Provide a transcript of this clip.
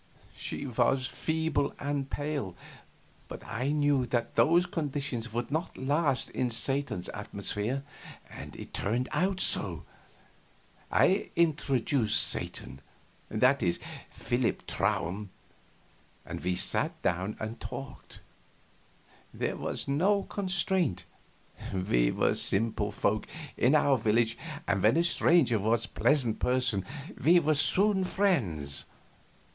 She was feeble and pale, but I knew that those conditions would not last in Satan's atmosphere, and it turned out so. I introduced Satan that is, Philip Traum and we sat down and talked. There was no constraint. We were simple folk, in our village, and when a stranger was a pleasant person we were soon friends.